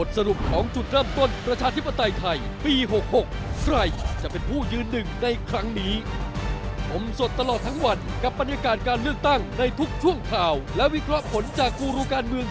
อเจมส์คุณดีคุณดีคุณดีคุณดีคุณดีอเจมส์กลับเรื่องของเรื่องรัศกรรมสุดสอย